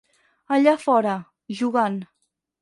Allà fora, jugant.